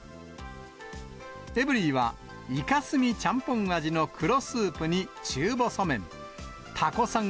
エブリィは、イカ墨ちゃんぽん味の黒スープに中細麺、たこさん